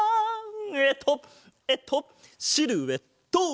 えっとえっとシルエット！